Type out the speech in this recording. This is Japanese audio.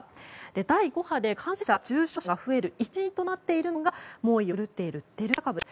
第５波で感染者、重症者が増える一因となっているのが猛威を振るっているデルタ株です。